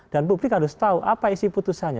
dan publik harus tahu apa isi putusannya